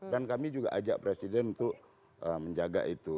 dan kami juga ajak presiden untuk menjaga itu